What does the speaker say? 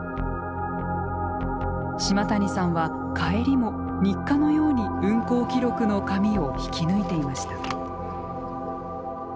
島谷さんは帰りも日課のように運行記録の紙を引き抜いていました。